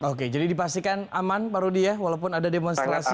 oke jadi dipastikan aman pak rudy ya walaupun ada demonstrasi